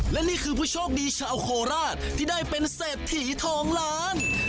และนี่คือผู้โชคดีชาวโคราชที่ได้เป็นเศรษฐีทองล้าน